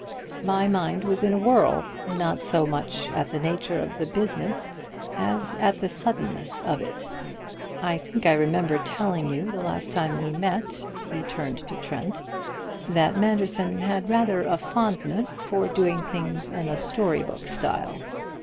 My mind was in a whirl, not so much at the nature of the business as at the suddenness of it. I think I remember telling you the last time we met" he turned to Trent "that Manderson had rather a fondness for doing things in a story book style.